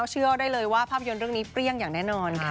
เชื่อได้เลยว่าภาพยนตร์เรื่องนี้เปรี้ยงอย่างแน่นอนค่ะ